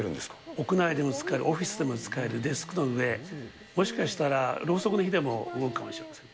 屋内でも使える、オフィスでも使える、デスクの上、もしかしたら、ろうそくの火でも動くかもしれません。